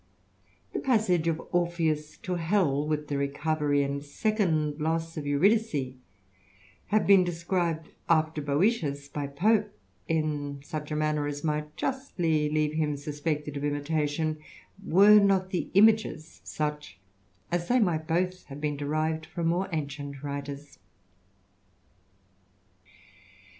The passage of Orpheus to heU with the recovery and second loss ot Eurydice, have \^t:^ described after Boetius by Pope, in such a manner as migl^ justly leave him suspected of imitation, were not the imaged such as they might both have derived from more ancient writers.